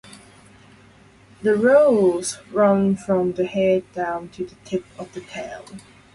The rows run from the head down to the tip of the tail.